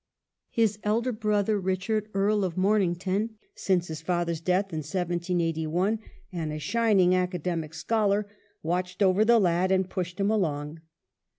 His elder brother Richard, Earl of Momington since his father's death in 1781, and a shining academic scholar, watched over the lad and pushed him along.